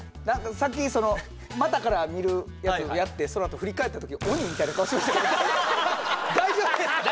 さっき股から見るやつをやってその後振り返ったときしてましたけど大丈夫ですか？